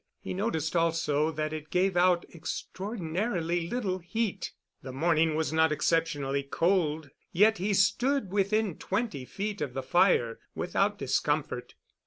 He noticed also that it gave out extraordinarily little heat. The morning was not exceptionally cold, yet he stood within twenty feet of the fire without discomfort.